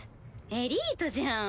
エリートじゃん。